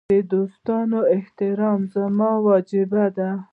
د دوستانو احترام زما وجیبه ده.